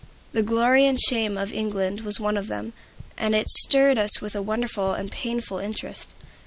"The Glory and Shame of England" was one of them, and it stirred us with a wonderful and painful interest.